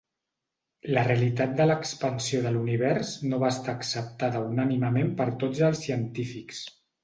La realitat de l'expansió de l'univers no va estar acceptada unànimement per tots els científics.